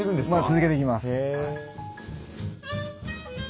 続けていきます。